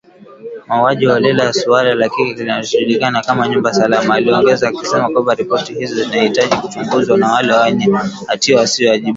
Mauaji holela, suala la kile kinachojulikana kama nyumba salama , aliongeza akisema kwamba ripoti hizo zinahitaji kuchunguzwa na wale wenye hatia wawajibishwe